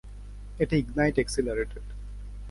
এটা ignite accelerated.